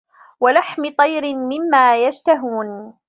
وَلَحمِ طَيرٍ مِمّا يَشتَهونَ